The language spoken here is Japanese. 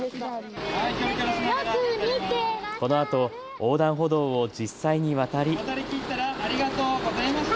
このあと横断歩道を実際に渡り。